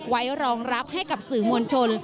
ไว้รองรับให้กับสื่อมวลชน